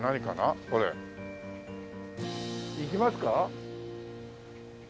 行きますか？